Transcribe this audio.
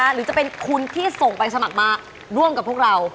หรือจะเป็นคุณที่ส่งไปสมัครมาร่วมกับพวกเรา